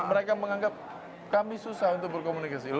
mereka menganggap kami susah untuk berkomunikasi